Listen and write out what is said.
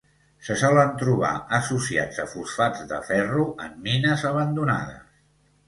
Se solen trobar associats a fosfats de ferro en mines abandonades.